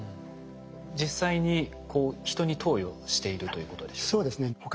実際に人に投与しているということでしょうか？